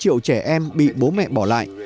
hai triệu trẻ em bị bố mẹ bỏ lại